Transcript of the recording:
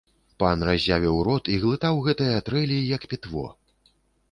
Пан разявіў рот і глытаў гэтыя трэлі, як пітво.